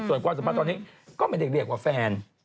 ส่วนความสัมพันธ์ตอนนี้ก็ไม่ได้เรียกว่าแฟน